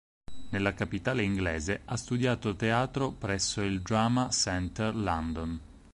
Nella capitale inglese ha studiato teatro presso il Drama Centre London.